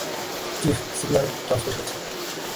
Chief, signal transmit হচ্ছে।